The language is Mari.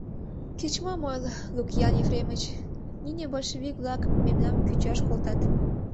Кеч-мом ойло, Лукиан Ефремыч, нине большевик-влак мемнам кӱчаш колтат.